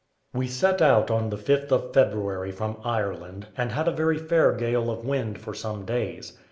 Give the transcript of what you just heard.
We set out on the 5th of February from Ireland, and had a very fair gale of wind for some days.